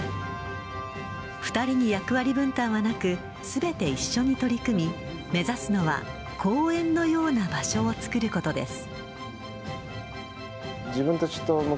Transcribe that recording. ２人に役割分担はなく全て一緒に取り組み目指すのは公園のような場所をつくることです。